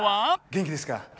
元気ですか？